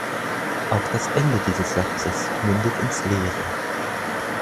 Auch das Ende dieses Satzes mündet ins Leere.